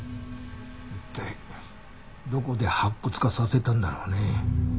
一体どこで白骨化させたんだろうね。